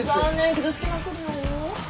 傷付きまくるよ。